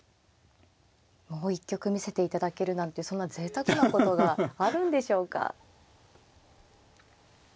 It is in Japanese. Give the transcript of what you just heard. もう一局見せていただけるなんてそんなぜいたくなことがあるんでしょうか。